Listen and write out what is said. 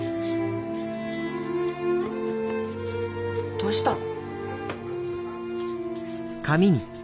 どうしたの？